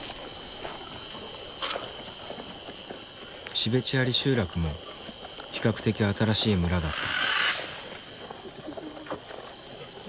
シベチアリ集落も比較的新しい村だった。